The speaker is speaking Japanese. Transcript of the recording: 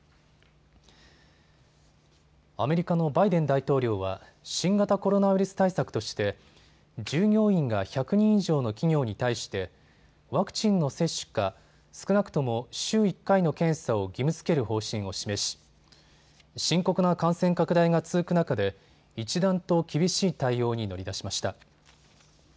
アメリカのバイデン大統領は新型コロナウイルス対策として従業員が１００人以上の企業に対してワクチンの接種か少なくとも週１回の検査を義務づける方針を示し深刻な感染拡大が続く中で一段と厳しい対応に乗り出しました。